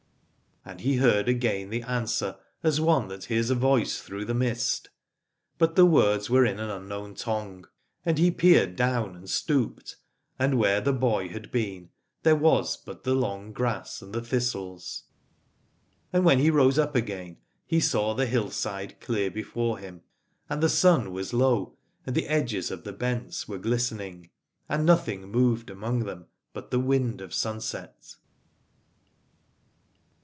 And he heard again the answer as one that hears a voice through the mist : but the words were in an unknown tongue. And he 12 Aladore peered down, and stooped, and where the boy had been there was but the long grass and the thistles : and when he rose up again he saw the hillside clear before him, and the sun was low and the edges of the bents were glistening, and nothing moved among them but the wind of sunset.